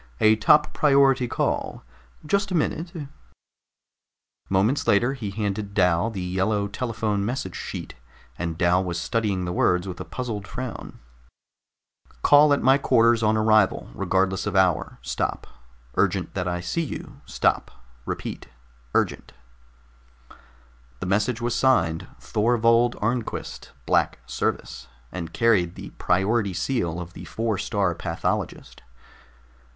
"A top priority call. Just a minute." Moments later he had handed Dal the yellow telephone message sheet, and Dal was studying the words with a puzzled frown: CALL AT MY QUARTERS ON ARRIVAL REGARDLESS OF HOUR STOP URGENT THAT I SEE YOU STOP REPEAT URGENT The message was signed THORVOLD ARNQUIST, BLACK SERVICE and carried the priority seal of the Four star Pathologist.